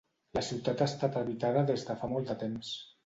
La ciutat ha estat habitada des de fa molt de temps.